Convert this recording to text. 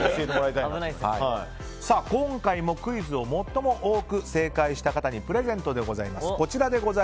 今回も、クイズを最も多く正解した方にプレゼントでございます。